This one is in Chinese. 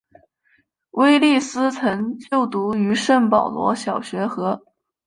威利斯曾就读于圣保罗小学和。